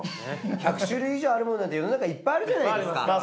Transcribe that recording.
１００種類以上あるものなんて世の中いっぱいあるじゃないですか。